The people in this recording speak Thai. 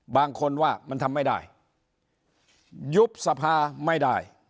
บางคนว่ามันทำไม่ได้ยุบสภาไม่ได้